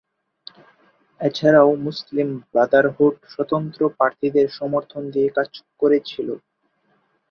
এছাড়াও, Muslim Brotherhood স্বতন্ত্র প্রার্থীদের সমর্থন দিয়ে কাজ করেছিল।